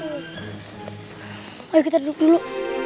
ayo kita duduk dulu